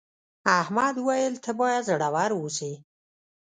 احمد وویل ته باید زړور اوسې.